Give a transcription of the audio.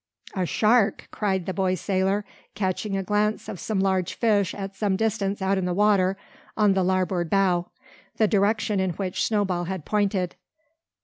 "A shark!" cried the boy sailor, catching a glance of some large fish at some distance out in the water on the larboard bow, the direction in which Snowball had pointed.